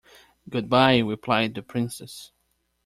"Good-bye," replied the princess.